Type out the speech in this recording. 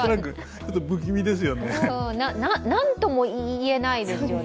何とも言えないですよね。